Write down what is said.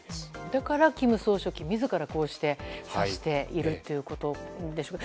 だから、金総書記自らこうして指しているということでしょうか。